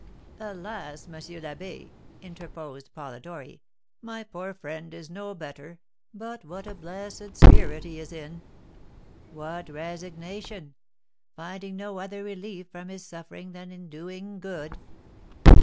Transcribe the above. "Alas, M. l'Abbé!" interposed Polidori, "my poor friend is no better; but what a blessed spirit he is in! What resignation! Finding no other relief from his suffering than in doing good!"